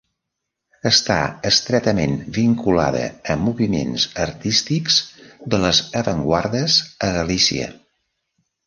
Està estretament vinculada a moviments artístics de les avantguardes a Galícia.